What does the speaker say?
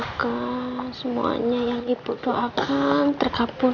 kiki perdoa semoga semuanya yang ibu doakan terkabul